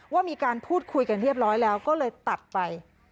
ว่ามีการพูดคุยกันเรียบร้อยแล้วก็เลยตัดไป